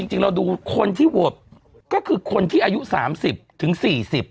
จริงเราดูคนที่โหวตก็คือคนที่อายุสามสิบถึงสี่สิบ